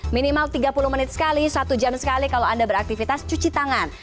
minimal tiga puluh menit sekali satu jam sekali kalau anda beraktivitas cuci tangan